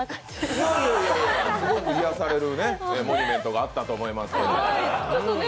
すごく癒されるモニュメントがあったと思いますけど。